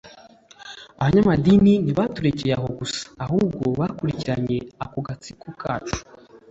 Abanyamadini ntibaturekeye aho gusa ahubwo bakurikiranye ako gatsiko kacu